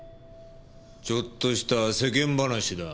ちょっとした世間話だ。